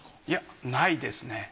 いやないですね。